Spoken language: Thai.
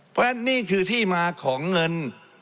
เพราะฉะนั้นนี่คือที่มาของเงิน